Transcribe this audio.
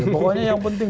pokoknya yang penting